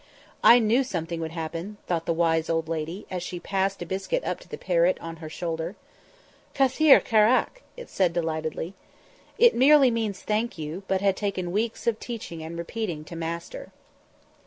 "I knew something would happen," thought the wise old lady, as she passed a biscuit up to the parrot on her shoulder. "Kathir Khairak," it said delightedly. It merely means "thank you," but had taken weeks of teaching and repeating to master.